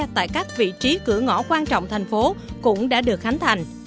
tại các vị trí cửa ngõ quan trọng thành phố cũng đã được khánh thành